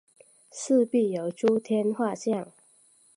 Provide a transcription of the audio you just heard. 四壁有诸天画像。